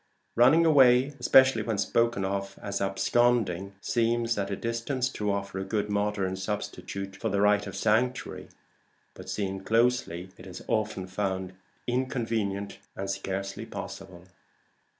Running away, especially when spoken of as absconding, seems at a distance to offer a good modern substitute for the right of sanctuary; but seen closely, it is often found inconvenient and scarcely possible.